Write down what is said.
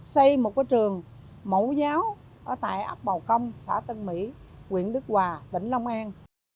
xây một trường mẫu giáo ở tại ấp bào công xã tân mỹ quyện đức hòa tỉnh long an